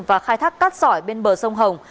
và khai thác cát sỏi bên bờ sông hồng